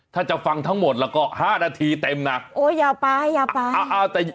ถ้าจะฟังทั้งหมดแล้วก็ห้านาทีเต็มนะโอ้อย่าไปอย่าไปอ่าเอาแต่